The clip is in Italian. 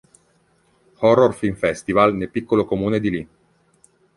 Horror Film Festival nel piccolo comune di Ii.